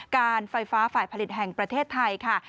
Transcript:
การไฟฟ้าฝ่ายผลิตแห่งประเทศไทยค่ะ